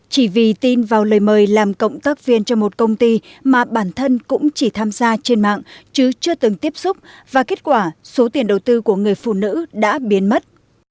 chỉ vì tin vào lời mời làm cộng tác viên cho một công ty mà bản thân cũng chỉ tham gia trên mạng chứ chưa từng tiếp xúc và kết quả số tiền đầu tư của người phụ nữ đã biến mất